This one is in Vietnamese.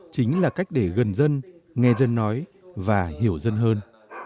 chính là cách để gần dân nghe dân nói và hiểu dân hơn